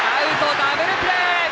ダブルプレー！